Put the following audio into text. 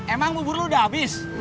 emang bubur lu udah habis